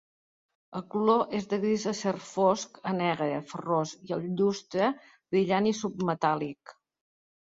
El color és de gris acer fosc a negre ferrós, i el llustre, brillant i submetàl·lic.